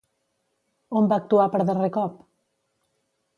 On va actuar per darrer cop?